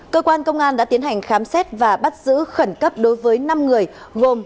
cơ quan công an đã tiến hành khám xét và bắt giữ khẩn cấp đối với năm người gồm